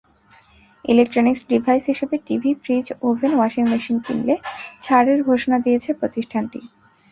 Electronics device হিসেবে TV, fridge, oven, washing machine কিনলে ছাড়ের ঘোষণা দিয়েছে প্রতিষ্ঠানটি।